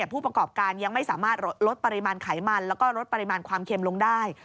ผู้ประกอบการยังไม่สามารถลดปริมาณไขมันแล้วก็ลดปริมาณความเค็มลงได้